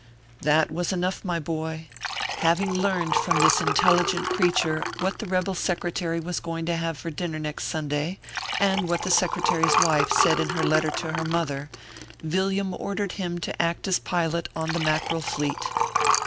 That was enough, my boy. Having learned from 356 ORPHEUS C. KERR PAPERS. this intelligent creature what the rebel Secretary was going to have for dinner next Sunday, and what the Secretary s wife said in her letter to her mother, Villiam ordered him to act as pilot on the Mackerel Fleet.